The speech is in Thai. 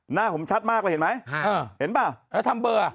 หน้าผมชัดมากเห็นมั้ยเห็นป่ะแล้วทำเบอร์